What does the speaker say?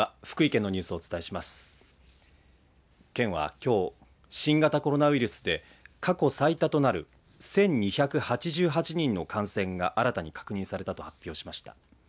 県はきょう新型コロナウイルスで過去最多となる１２８８人の感染が新たに確認されたと発表しました。